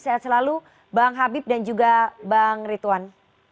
sehat selalu bang habib dan juga bang ritwan